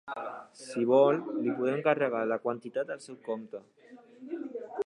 Si vol, li podem carregar la quantitat al seu compte.